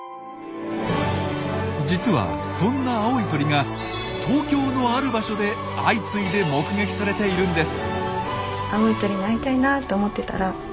実はそんな青い鳥が東京のある場所で相次いで目撃されているんです！